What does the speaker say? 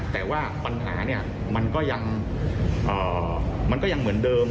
แต่ว่าปัญหาเนี่ยมันก็ยังเหมือนเดิม